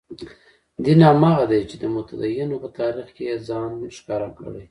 دین هماغه دی چې د متدینو په تاریخ کې یې ځان ښکاره کړی.